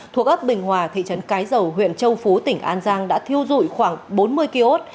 thuộc ấp bình hòa thị trấn cái dầu huyện châu phú tỉnh an giang đã thiêu dụi khoảng bốn mươi kiosk